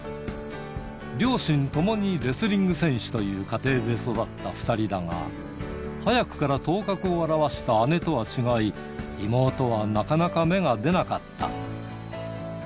両親ともにレスリング選手という家庭で育った２人だが、早くから頭角を現した姉とは違い、妹はなかなか芽が出なかった。